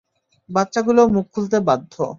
বাচ্চাগুলো মুখ খুলতে বাধ্য।